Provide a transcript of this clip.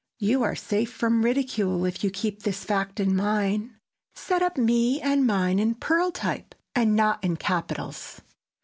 You are safe from ridicule if you keep this fact in mind. Set up "me" and "mine" in "pearl" type, and not in capitals.